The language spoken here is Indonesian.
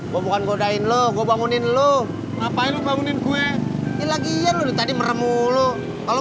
gua bukan kodain lo gua bangunin lu ngapain lu bangunin gue ilah iya lu tadi meremu lu kalau